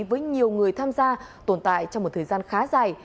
với nhiều người tham gia tồn tại trong một thời gian khá dài